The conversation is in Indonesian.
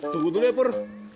tunggu dulu ya pur